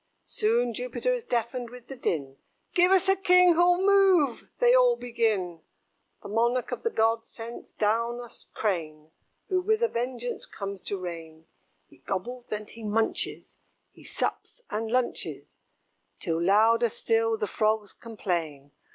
Soon Jupiter is deafened with the din "Give us a king who'll move," they all begin. The monarch of the gods sends down a Crane, Who with a vengeance comes to reign. He gobbles and he munches, He sups and lunches; Till louder still the Frogs complain.